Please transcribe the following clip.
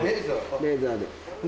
レーザーで。